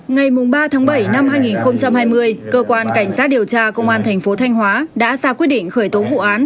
ngày ba bảy hai nghìn hai mươi cơ quan cảnh sát điều tra công an tp thanh hóa đã ra quyết định khởi tố vụ án